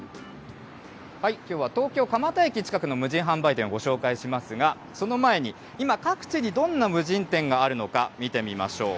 きょうは東京・蒲田駅近くの無人販売店をご紹介しますが、その前に、今、各地にどんな無人店があるのか、見てみましょう。